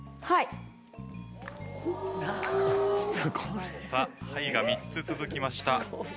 「はい」が３つ続きました。